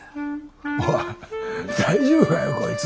おい大丈夫かよこいつ。